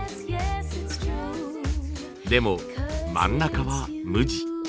でも真ん中は無地。